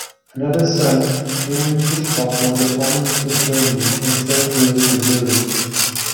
Another son, Henry Hitchcock, was a prominent attorney in Saint Louis, Missouri.